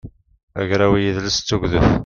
agraw i yidles d tugdut